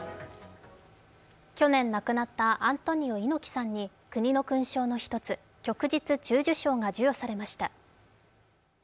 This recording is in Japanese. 去年亡くなったアントニオ猪木さんに国の勲章の一つ旭日中綬章が授与されました。